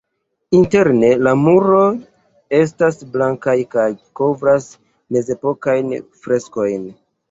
Interne la muroj estas blankaj kaj kovras mezepokajn freskojn.